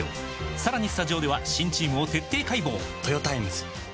さらにスタジオでは新チームを徹底解剖！